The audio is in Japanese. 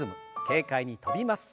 軽快に跳びます。